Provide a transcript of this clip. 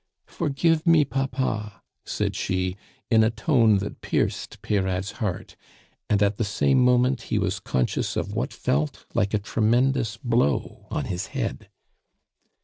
"Forgive me, papa," said she in a tone that pierced Peyrade's heart, and at the same moment he was conscious of what felt like a tremendous blow on his head.